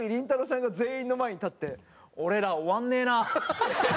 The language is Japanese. さんが全員の前に立って「俺ら終わんねえな」。